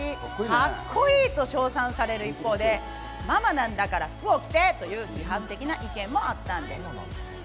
カッコいいと称賛される一方で、ママなんだから服を着てという批判的な意見もあったんです。